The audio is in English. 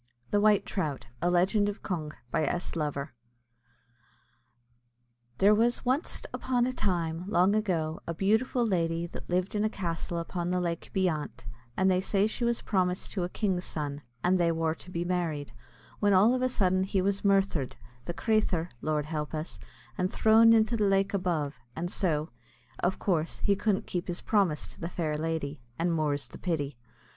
THE WHITE TROUT; A LEGEND OF CONG. BY S. LOVER. There was wanst upon a time, long ago, a beautiful lady that lived in a castle upon the lake beyant, and they say she was promised to a king's son, and they wor to be married, when all of a sudden he was murthered, the crathur (Lord help us), and threwn into the lake above, and so, of course, he couldn't keep his promise to the fair lady, and more's the pity.